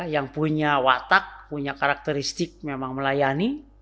yang punya watak punya karakteristik memang melayani